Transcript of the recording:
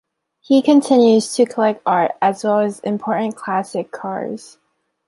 He continues to collect art as well as important classic cars.